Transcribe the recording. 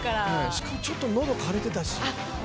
しかも、ちょっと喉かれてたし。